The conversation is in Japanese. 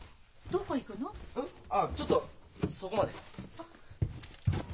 あちょっとそこまで。